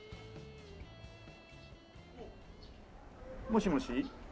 もしもし。